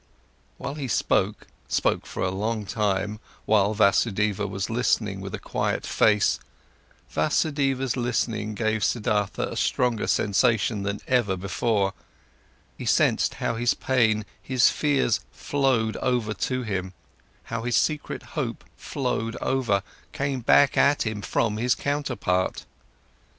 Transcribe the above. While he spoke, spoke for a long time, while Vasudeva was listening with a quiet face, Vasudeva's listening gave Siddhartha a stronger sensation than ever before, he sensed how his pain, his fears flowed over to him, how his secret hope flowed over, came back at him from his counterpart.